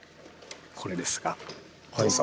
これですがどうぞ。